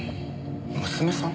娘さん？